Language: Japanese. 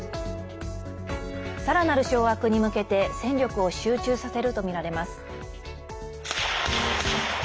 さらなる掌握に向けて戦力を集中させるとみられます。